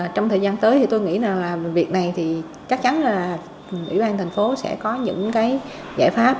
trong thời gian tới tôi nghĩ việc này chắc chắn là ủy ban thành phố sẽ có những giải pháp